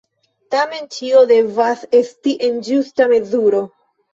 Tamen ĉio devas esti en ĝusta mezuro.